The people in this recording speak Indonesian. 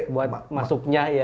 buat masuknya ya